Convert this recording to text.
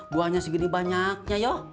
buahnya segini banyaknya yoh